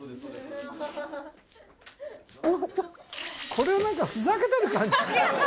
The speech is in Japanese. これはなんかふざけてる感じ。